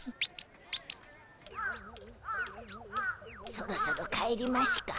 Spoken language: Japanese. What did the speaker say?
そろそろ帰りましゅか。